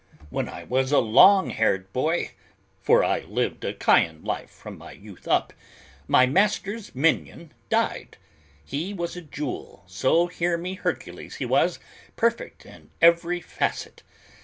When I was a long haired boy, for I lived a Chian life from my youth up, my master's minion died. He was a jewel, so hear me Hercules, he was, perfect in every facet.